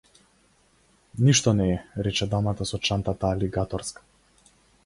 Ништо не е, рече дамата со чантата алигаторска.